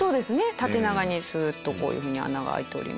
縦長にスーッとこういう風に穴が開いております。